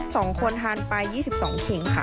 สองคนทานไป๒๒ขิงค่ะ